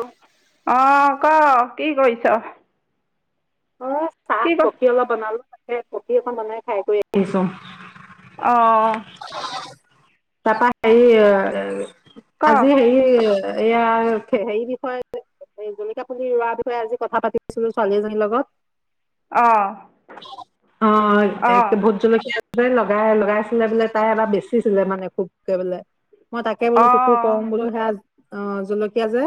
অহ অহ কঅ কি কৰিছ? অহ চাহ কি ক কফি অলপ বনালো। কফি অকন বনাই খাই কৰি আহিছো অহ তাপা হেৰি ক আজি হেৰি এয়া হেৰি বিষয়ে জলকীয়া পুলি ৰোৱা বিষয়ে আজি কথা পাতিছিলো ছোৱালী এজনীৰ লগত অঁ অহ এক অঁ ভোট জলকীয়া মই লগাই লগাইছিলে বোলে তাই এবাৰ বেচি চোলে, মানে খুবকে বোলে মই তাকে বোলো তোকো অঁ কম বোলো সেয়া অহহ জলকীয়া যে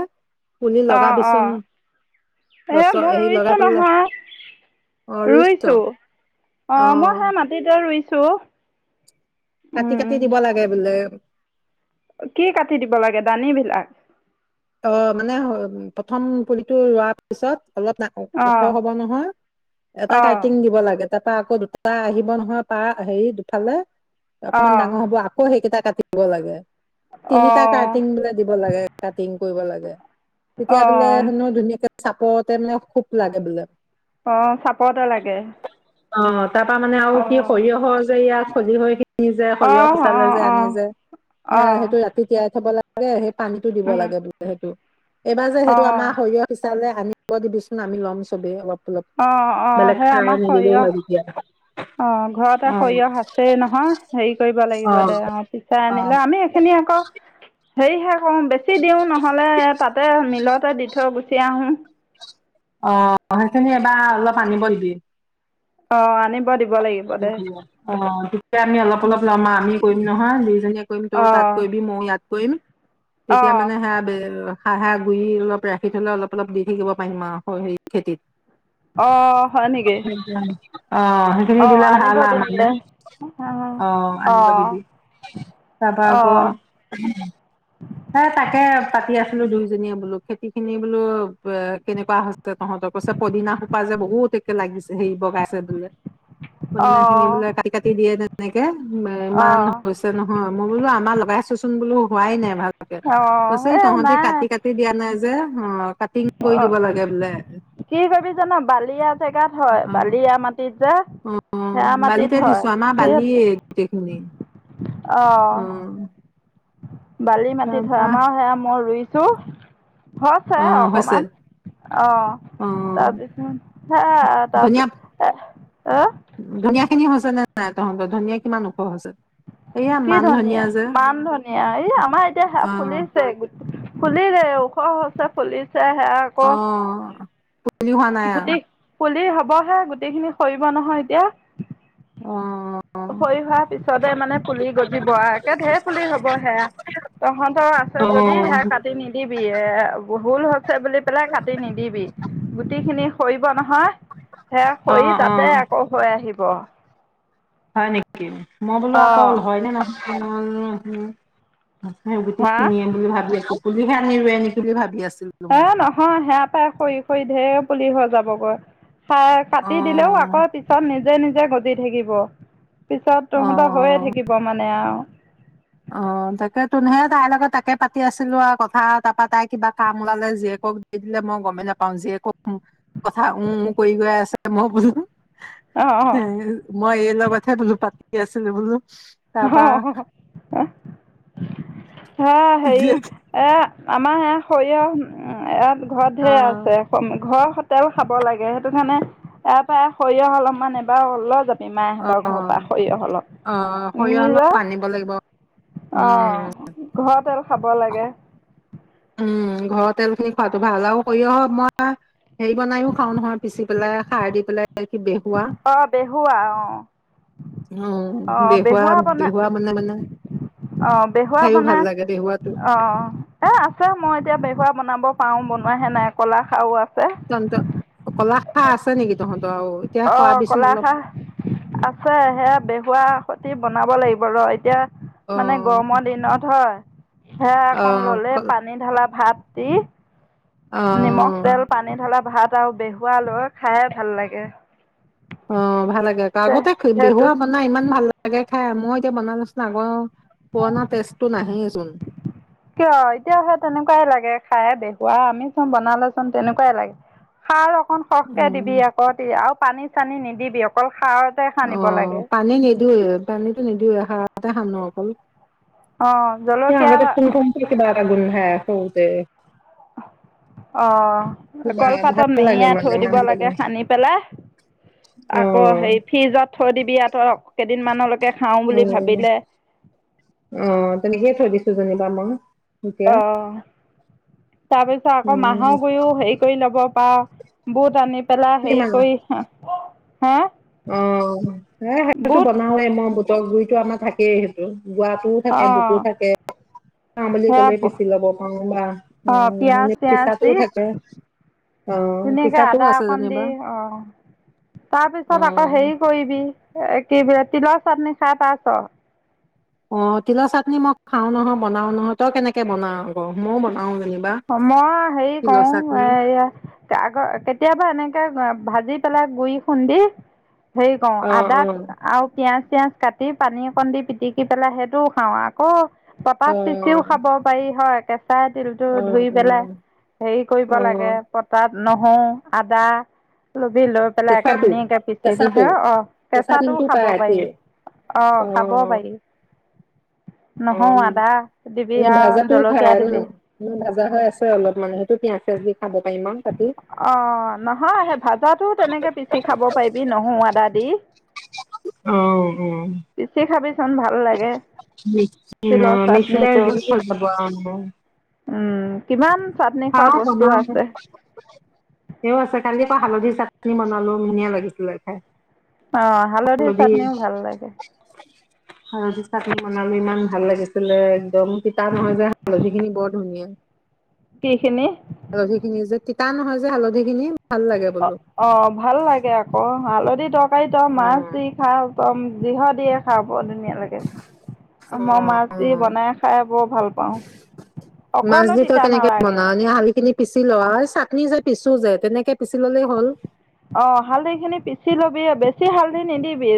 পুলি অহ লগাবিচোন অহ এহ গছৰ মই হেৰি লগাই ৰুইছো পেলাই অ নহয়। ৰুইছ ৰুইছো অ অহ মই সেই মাটিতে ৰুইছো কাটি কাটি দিব লাগে বোলে কি কাটি দিব লাগে ডালি বিলাক? অহ মানে প্ৰথম পুলিটো ৰোৱাৰ পিছত অলপ ওখ অঁ হব নহয় এটা অঁ কাটিং দিব লাগে। তাপা আকৌ দুফালা আহিব নহয় পাৰ হেৰি দুফালে অকণমান অঁ ডাঙৰ হ'ব আকৌ সেইকেইটা কাটি দিব লাগে তিনিটা অঁ কাৰ্টিং বোলে দিব লাগে তাত কৰিব লাগে তেতিয়া বোলে অঁ হেনো ধুনীয়াকে চাপৰতে মানে খুব লাগে বোলে। অঁ চাপৰতে লাগে অহ তাৰ পা মানে আৰু কি অঁ সৰিয়হৰ যে ইয়াত সজি হয় কি নিজে সৰিয়হ অঁ পিচালে অঁ যে আনে অঁ যে সেয়া অঁ সেইটো ৰাতি তিয়াই থ'ব লাগে লাগে পানীতো দিব লাগে। হেটো এইবাৰ যে সেইটো অঁ আমাৰ শৰীৰৰ সিচা যে আম কোৱা দিবিচোন আমি ল'ম চবে অল অ অ সেই আমাৰ হয় তেতিয়া সৰিয়হ অ ঘৰতে সৰিয়হ আছেই নহয় হেৰি কৰিব লাগিব দে অ পিচাই অ আনিলে আমি এইখিনি আকৌ সেই হাক বেছি দিও নহলে তাতে মিলতে দি থৈ গুচি আহো অ সেইখিন এবাৰ অলপ আনিব দিবি অ আনে অ তেতিয়া আমি অলপ অলপ লম আৰু আমি কৰিম নহয় দি নীয়া [unintelligible] কৈম তই তাতকৈবি অঁ মই ইয়াত কইন তেতিয়া মানে অঁ সে হাঁহা গুৰি অলপ ৰাখি থলে অলপ অলপ দি থাকিব পাৰিম আৰু হে খেতিত অঁ হয় নেকি অ অঁ দিলে আনিব ভাল আ দিম মানে দে অঁ অ আনিব অঁ দিবি তাৰপা আকৌ অঁ স তাকে পাতি আছিলো দুইজনীয়ে বোলো খেতি খিনি বোলো এ কেনেকুৱা হৈছে তহঁতৰ কৈছে পদিনা সোপা যে বহুত একে লাগিছে হেৰি বগাইছে বোলে পদিনা খিনি অঁ বোলে কাটি কাটি দিয়ে তেনেকে ইমান অঁ হৈছে নহয় মই বোলো আমাৰ লগাইো বো হোৱাই নাই াকে অঁ পছে এই তহঁতি নাই কাটি কাটি দিয়া নাই যে আহ কাটিং কৰি অঁ দিব লাগে বোলে কি কৰিবি জান বালিয়া জেগাত হয় আহ বালিয়া মাটিত যে আহ সেয়া মাটিত বালিতে হয় দিছো আমাৰ সেই বালিয় গোটেইখিনি অঁ আহ বালি মাতি হয় আমাৰ সেয়া মই ৰুই ছ হৈছে অ হৈছে অকমান অ অ তাৰপিছত হে তাৰ ধনিয়া আহ ধনিয়া খিনি হৈছে নে নাই তহঁতৰ ধনিয়া কিমান ওখ হৈছে এয়া কি মান ধনিয়া যে মান ধনিয়া এই আমাৰ এতিয়া সে অ ফুলিছে গোটেই ফুলিলে ওখ হৈছে ফুলিছে চেহে আকৌ অ বুলি হোৱা নাই আৰু গোটি পুলি হ'ব হ'বহে গোটেই খিনি সৰিব নহয় এতিয়া অ সৰি হোৱাৰ পিছতে মানে পুলি গজিব একে ঢেৰ পুলি হব সেয়া তহঁতৰ আছে অ যদি সেয়া কাটি নিদিবি এ ভুল হৈছে বুলি পেলাই কাটি নিদিবি গুটি খিনি সৰিব নহয় সে অ সৰি অ তাতে আকৌ হৈ আহিব গ হয় নেকি মই বোলো আকৌ অ', হয়নে নহয় উম হ সেই গুটি হা কিনি আনে বুলি ভাবি আছো পুলিহে আনি ৰুৱে নেকি বুলি ভাবি আছো এ নহয় সেয়া পাই খৰি খৰি ঢেৰ পুলি হৈ যাবগৈ সেই অ কাটি দিলেও আকৌ পিছত নিজে নিজে গজে দি থাকিব পিছত অ তহঁত হৈয়ে থাকিব মানে মানে আৰু অ তাকে তোহে তাইৰ লগত তাকে পাতি আছিলো আৰু কথা তাৰপা তাই কিবা কাম ওলালে জীয়েকক দি দিলে মই গমেই নাপাওঁ জীয়েক কথা উ কৰি গৈ আছে মই বোলো অ', অ', মই এই লগ তাকে ধুনুক বোলো পাতি আছিলো বোলো হ তাৰপা হ শহ [unintelligible] অ হেৰি এ আমাৰ এ সৰিয়হ ইয়াত ঘৰত অ ঢেৰ আছে ঘৰ তেল খাব লাগে সেইটো কাৰণে তাৰ পৰা সৰিয়হ অলপমান এবাৰ অল মাহহঁতৰ অ ঘৰৰ পৰা সৰিয়হ অলপ অ সৰিয়হ নিজৰ অলপ আনিব লাগিব অঁ উম ঘৰৰ তেল খাব লাগে অ উম ঘৰৰ তেল খিনি খোৱাাতটো ভাল আৰু সৰিয়হ মই হেৰি বনাইও খাওঁ নহয় পিচি পেলাই সাৰ দি পেলাই কি বেহুৱা অ বেহুৱা অ অ আহ বেহুৱা বনাই বেহুৱা মানে মানে আহ বেহুৱা খাইও ভাল বনাাই লাগে বেহুৱাটো আহ এ আ ছাৰ মই এতিয়া বেহুৱৰা বনাব পাৰোঁ বনোৱাহে নাই ক'লা খাৰা তন্ত কলা হা আছা নেকি তহন [unintelligible] অ কলাখাহ আছে সেয়া বেহুৱা খতি বন বনাব লাগিব ৰ এতিয়া অ মানে গৰমৰ দিনত হয় সে অ অকন ললে পানী ঢালা ভাত উ অ নিমখ তেল পানী ঢালা ভাত বেহুৱা লৈ খাই ভাল লাগে অ ভাল লাগে আকৌ তে আগতে সেইটো বিহুৱা মাননা ইমান ভাল লাগে ঠ মই এতিয়া বনালোচোন আগৰ পুৰণা টেষ্টটো নাহেইচোন কিয় এতিয়া সে তেনেকুৱাই লাগে খায়ে দেখুৱা আমি চোন বনালে চোন তেনেকুৱাই লাগে খাৰ খন সৰখকে উম দিবি আকতে আৰু পানী চানী নিদিবি অকল সাৰৰ অ পানী নিদওৱে পানীতো নিদিওঁৱেই কতে সানো আকল অঁ আগতে জলকীয়া ক ব [unintelligible] লাগুণ হে সতে অ কিবা ভাল কলপাতত লাগে মেৰিয়াই মানে থৈ দিব মাহটো লাগে মানে। সানি পেলাই অ আকৌ হেৰি ফ্ৰিজত থৈ দিবি আৰুঁ কেইদিনমানলৈকে খাওঁ উ বুলি ভাবিলে অ তেনেকে থৈ দিছো কী ব আমা [unintelligible] আহ তাৰ পিছত আকৌ উম মাহৰ গুৰিও হেৰি কৰি ল'ব পা বুট আনি [unintelligible] পেলা হেৰি কিমান কৰি হা অ সেইটোতো বুট বনালে মই গুৰিতো আমাৰ থাকেই সেইটো গোৱাটোও থাকে বুতো অ' থাকে বুলি সেয়া কলে পিচি লব পাৰো বা উ অ' পিয়াজ এনে চিয়াজ পিছাতটো দি থাকে আহ ধুনীয়াকে পিছাটো আদা আছে অকণ যেনিবা তাত আকৌ অ হেৰি কৰিবি বিতি লছ আপ নিশাত আছে [unintelligible] অ তিলা চাটনি মই খাও নহ বনাও নহয় তই কেনেকে বনাও আ ময়ও বনাও যেনিবা মই হেৰি তিলৰ কৰো চাটনি এ আগৰ কেতিয়াবা এনেকে ভাজি পেলাই গুৰি খুন্দি সেই কওঁ অ আদা অ আ পিয়াজ পিঁয়াজ কাটি পানী অকণ দি পিটিকি পেলাই সেইটোও খাওঁ আকৌ পটাত অ পিচিও খাব পাৰি হয়। কেঁচা। টো অ ধুই পেলাই উম হেৰি কৰিব অ লাগে পতাত। নহৰু আদা। লৈ পেলাই একে কেঁচাটো ধুনীয়াকে পিচিবি কেঁচাটো হা অ কেঁচা কেঁচাটোও তিলটো পাই খাব পাৰি এতিয়ে অ খাব পাৰি। অ নহয় আদা দিবি আৰু জলকীয়া দিবি। ম ভাজা হৈ আছে অলপ মানে সেইটো পিঁয়াজ চিয়াজ দি খাব পাৰিম অ। অ নহয় ভাজাটো তেনেকে পিচি খাব পাৰিবি নহৰু আদা দি পিচি খাবি। উ তিলৰ মিক্স ভেজ চাটনিটো। যাব। ব। উম কিমান। চাটনি খোৱা বস্তু আছে। তেওঁ দে আছে খালি। তা হালধি চাটনি বনালো ধুনীয়া লাগিছিলে খাই। অ হালধিৰ হালধি চাটনিও ভাল লাগে। হালধি চাটনি বনালো ইমান ভাল লাগিছিলে। একদম কিতাপ নহয় যে হালধি খিনি বৰ ধুনীয়া। কি খিনি। হালধি খিনি যে তিতা নহয় যে হালধি খিনি। ভাল লাগে অ বোলো অ ভাল লাগে আকৌ আলহ। ডিদব পইতা অ মাছ দি খাও। দম যিহ দিয়ে খাম। বৰ ধুনীয়া লাগে অ মই মাছ অ দি বনাই খাই বৰ ভাল পাওঁ মাছ অকণো দি তই তিতা কেনেকে নালাগে। বনাও এনে হালধি খিনি পিচি লোৱা চাটনি যে পিছো যে তেনেকে পিছি ল'লেই হ'ল। অ হালধি খিনি পিচি লবি বেছি হালধি নিদিবি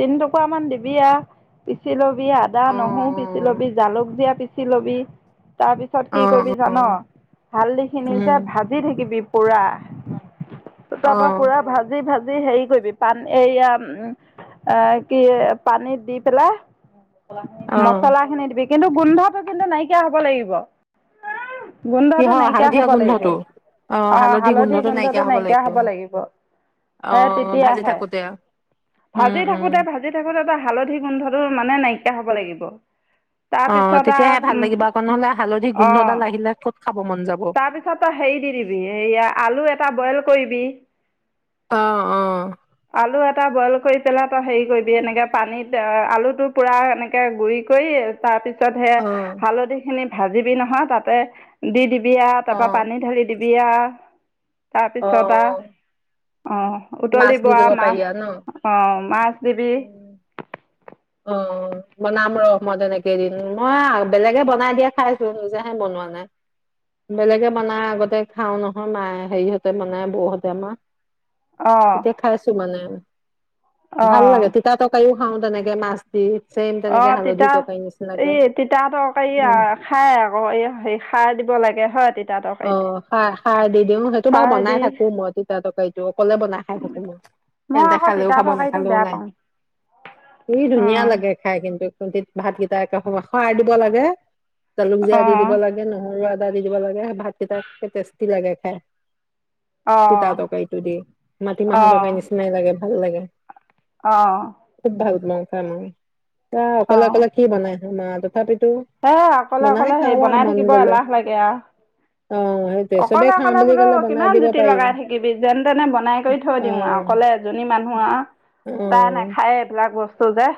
তিন টুকামান দিবি আৰু পিচি লবি। আদা অ নহৰু পিচি লবি জালুক জীয়া পিচি লবি। তাৰপিছত অ কি অ কৰিবি অ জান হালধি খিনি উম যে ভাজি থাকিবি। কুৰা। তাৰ অ পৰা পুৰা ভাজি ভাজি। হেৰি কৰিবি পানী এইয়া উ কি পানীত দি পেলাই। অ মছলা খিনি দিবি। কিন্তু গোন্ধটো কিন্তু নাইকিয়া হব লাগিব। গোন্ধটো কিহৰ নাইকিয়া হালধীয়া হব লাগিব গোন্ধটো অ হালধি গোন্ধটো নাইকিয়া। হ'ব লাগিব অ সে ভাজি তেতিয়াহে থাকোতে উম ভাজি উম থাকোতে ভাজি থাকোতে ত হালধি গোন্ধটো মানে। নাইকিয়া হব লাগিব অ তাৰপিছত তেতিয়াহে ভাল আৰু লাগিব আকৌ নহলে হালধি উ অ গোন্ধডাল আহিলে ক'ত খাব মন যাব তাৰপিছত হেৰি দি দিবি আলু এটা বইল [unintelligible] অ অ আলু এটা বইল কৰি পেলাই তই হেৰি কৰিবি এনেকে পানীত আলুটো পুৰা এনেকে গুৰি কৰি তাৰপিছত পিছত সে অ'। হালধি খিনি ভাজিবি নহয় তাতে দি দিবি দিবি আ তাৰ পৰা অ', পানী ঢালি দিব দিয়া ছটা অ', অঁ মাছ উতলিব দি আও দিব মাছ পাৰিয়া ন? অ মাছ দিবি অ বনাম ৰস মই তেনেকেই দিন মই বেলেগে বনাই দিয়া খাইছো নিজে হে বনোৱা নাই বেলেগে বনাই আগতে খাও নহয় মায়ে হেৰিহতে বনাই বৌহতে আমাৰ অঁ এতিয়া খাই আছো মানে ভাল অঁ লাগে তিতা তৰকাৰিও খাওঁ তেনেক কে মাছ তিপ অ তিতা এই তিতা তৰকাৰি আ উম, খাই আকৌ এই হে খাৰ দিব লাগে হয় তিতা অ তৰকাৰীত সাৰ সাৰ দি দিও সেইটো বাৰু খাৰ বনাই দি থাকো মই তিতা তৰকাৰটো অকলে বনাই খাই থাকো মই মই সেতে আকৌ খালেও তিতা খাব তৰকাৰীটো নেখালেও বেয়া নাই পাওঁ কি ধুনীয়া অঁ লাগে খাই কিন্তু। কোনতিত ভাতকেইটা একে সৱা সৰাই দিব লাগে জালুক জিয়া দি দিব লাগে নহৰু, আদা দি দিব লাগে ভা- ভাত কিতা কি টেষ্টি লাগে খাই। তিতা অঁ তৰকাৰীটো দি মাটিমাহৰ তৰকাৰী নিচিননাাই লাগে। ভাল লাগে অহ লং চাই মাৰো এ অকলে অকলে কি বনাই এমাটোক হে অকলে অকলে হেৰি আৰু বনাই মন থাকিব গলে এলাহ লাগে আও। অ সেইটোৱে চবেই অকলে খাওঁ অকলে বুলি বোলো কলে বনাই কিমান দিব জুতি পাৰি লগাই থাকিবি যেন তেনে বনাই কৰি থৈ অ দিম আৰু অকলে এজনী মানুহ আ অ তাই নাখায়ে এইবিলাক। বস্তু যে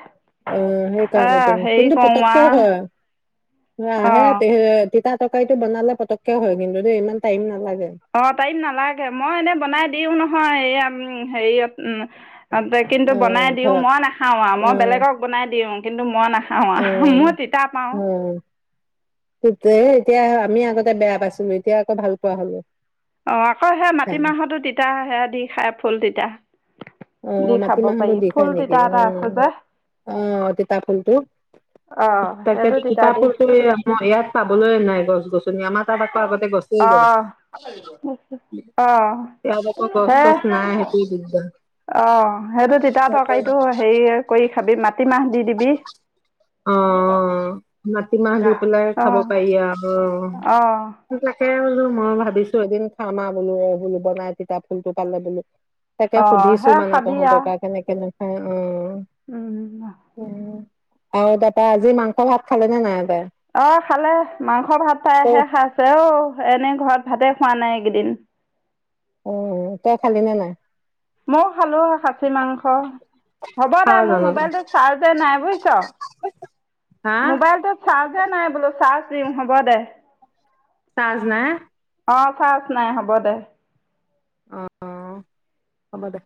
অ এ সেইকাৰণে তুমি হেৰি কিন্তু কৰোঁ পতককে আৰু হয় অ হে অঁ তে তেতা তৰকাৰীটো বনালে পতককে হয় কিন্তু দেই ইমান টাইম নালা অ টাইম নালাগে মই এনে বনাই দিও নহ য় এইয়াম হেৰিয়ত উ অ কিন্তু অ বনাই দিওঁ ঘৰত মই নাখাওঁ আও মই উম, বেলেগক বনাই দিওঁ কিন্তু মই নাখাওঁ উম, মই তিতা পাও তে এতিয়া আমি আগতে বেয়া পাইছিলো এতিয়া আকৌ ভাল পোৱা হলো অ আকৌ সে খাই। মাটিমাহতো তিতা সেৱা দি খাই ফুল তিতা অ দি খাব মাটিমাহতো পাৰি দি ফুল খাই নেকি তিতা এটা আছে উম যে অহ তিতা ফুলটো অঁ তাকে সেইটো তিতা দি কিতাপত মই ইয়াত চাবলৈ নাই গছ উম আমাৰ তাত আকৌ আগতে গছেই গছ অঁ অঁ ইয়াত আকৌ গছ চছ নাই সেইটোয়ে দিগদাৰ অ সেইটো তিতা তৰকাৰীটো হেৰি কৰি খাবি মাটিমাহ দি দিবি অ', মাটিমাহ দি পেলাই অ খাব পাৰি আৰু অ তাকে বোলো মই ভাবিছো এদিন খামা বোলো বোলো বনাই তিতা ফুল টো পালে বোলো তাকে অঁ সুধিছো সেয়া কিমানপা খাবি হ'ব আৰু [unintelligible] কেনেকেনো অ অ উম অ তাপা আজি মাংস ভাত খালে নে নাই তাই? অ খালে মাংস ভাত তই পাইহে খাইছে অঔ এনেই ঘৰত ভাতে খোৱা নাই এইকেইদিন অ তই খালি নে নাই মই খালো খাচী মাংস হ'ব দে খাওঁ মোৰ জানো, মোবাইলটো চাজে নাই বুইচ হা মোবাইলটো চাজে নাই বোলো দিম হ'ব দে চাজ নাই অ চাজ নাই হ'ব দে অ অ হব দে